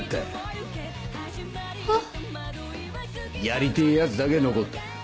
やりてぇヤツだけ残った。